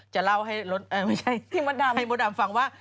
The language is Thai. จะเล่าให้เม้อดำฟังว่า